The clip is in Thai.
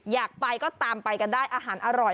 อยากไปก็ตามไปกันได้อาหารอร่อย